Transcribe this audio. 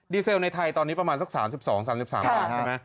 เซลในไทยตอนนี้ประมาณสัก๓๒๓๓บาทใช่ไหม